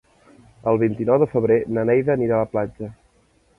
El vint-i-nou de febrer na Neida anirà a la platja.